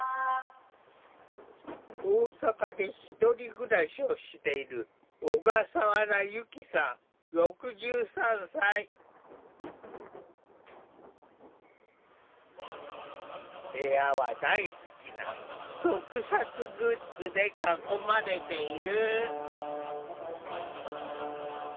大阪で１人暮らしをしている部屋は大好きな特撮グッズで囲まれている。